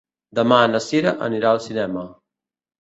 Demà na Cira anirà al cinema.